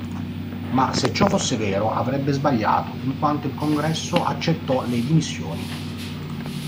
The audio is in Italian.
Ma, se ciò fosse vero, avrebbe sbagliato, in quanto il congresso accettò le dimissioni.